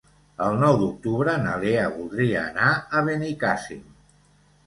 El nou d'octubre na Lea voldria anar a Benicàssim.